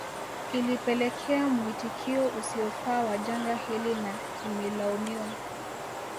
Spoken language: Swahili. Ilipelekea muitikio usiofaa wa janga hili na imelaumiwa